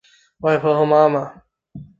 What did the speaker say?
外婆和妈妈